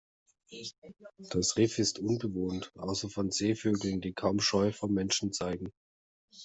Das Riff ist unbewohnt, außer von Seevögeln, die kaum Scheu vor Menschen zeigen.